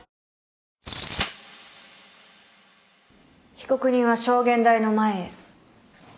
被告人は証言台の前へ。